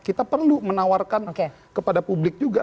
kita perlu menawarkan kepada publik juga